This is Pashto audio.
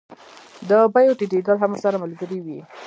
د بیو ټیټېدل هم ورسره ملګري وي